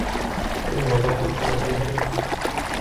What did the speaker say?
إنهُ ظريف, ولكن غبي.